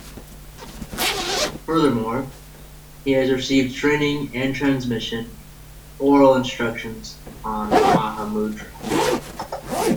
Furthermore, he has received training and transmission, oral instructions on Mahamudra.